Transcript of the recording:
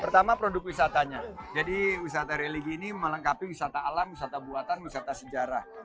pertama produk wisatanya jadi wisata religi ini melengkapi wisata alam wisata buatan wisata sejarah